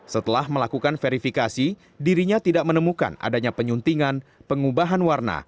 setelah melakukan verifikasi dirinya tidak menemukan adanya penyuntingan pengubahan warna